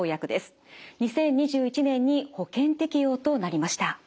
２０２１年に保険適用となりました。